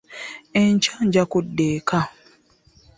Enkya nja kudda eka.